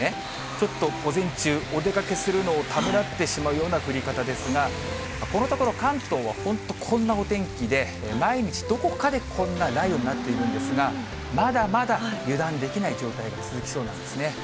ちょっと午前中、お出かけするのをためらってしまうような降り方ですが、このところ、関東は本当、こんなお天気で、毎日、どこかでこんな雷雨になっているんですが、まだまだ油断できない状態が続きそうなんですね。